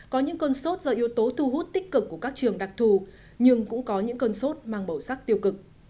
có những cơn sốt do yếu tố thu hút tích cực của các trường đặc thù nhưng cũng có những cơn sốt mang màu sắc tiêu cực